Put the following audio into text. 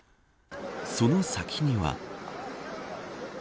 その先には。